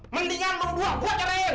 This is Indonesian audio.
mendingan lo berdua gue cairin